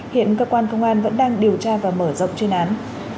hiện cơ quan công an vẫn đang điều tra và mở rộng chuyên án